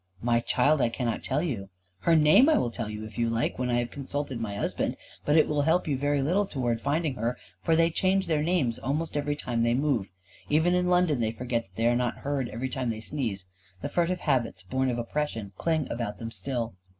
"My child, I cannot tell you. Her name I will tell you, if you like, when I have consulted my husband. But it will help you very little towards finding her; for they change their names almost every time they move. Even in London they forget that they are not heard every time they sneeze. The furtive habits born of oppression cling about them still."